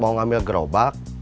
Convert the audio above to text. mau ngambil gerobak